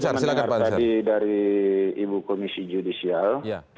saya mendengar tadi dari ibu komisi judisial